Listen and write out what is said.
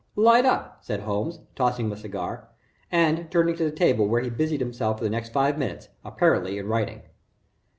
"Light up," said Holmes, tossing him a cigar, and turning to the table where he busied himself for the next five minutes, apparently in writing.